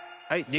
はい。